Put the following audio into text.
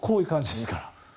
こういう感じですから。